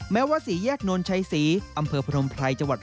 แม้ว่าสีแยกนทชายสี